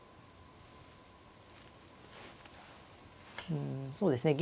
うんそうですね。